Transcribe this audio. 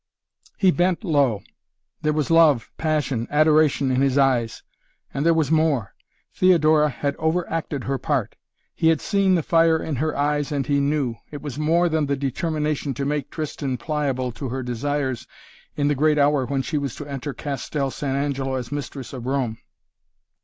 He bent low. There was love, passion, adoration in his eyes and there was more. Theodora had over acted her part. He had seen the fire in her eyes and he knew. It was more than the determination to make Tristan pliable to her desires in the great hour when she was to enter Castel San Angelo as mistress of Rome.